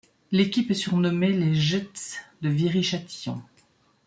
L'équipe est surnommé les Jets de Viry-Châtillon.